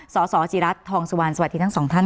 สสิรัฐทองสุวรรณสวัสดีทั้งสองท่าน